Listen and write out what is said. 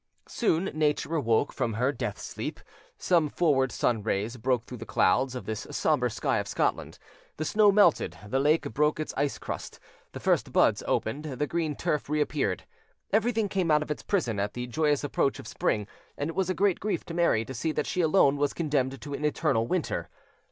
Soon nature awoke from her death sleep: some forward sun rays broke through the clouds of this sombre sky of Scotland; the snow melted, the lake broke its ice crust, the first buds opened, the green turf reappeared; everything came out of its prison at the joyous approach of spring, and it was a great grief to Mary to see that she alone was condemned to an eternal winter.